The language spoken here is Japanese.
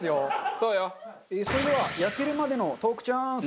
それでは焼けるまでのトークチャンス！